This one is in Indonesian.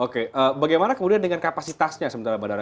oke bagaimana kemudian dengan kapasitasnya sementara mbak dara